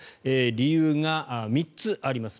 理由が３つあります。